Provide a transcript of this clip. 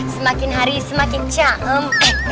semakin hari semakin caem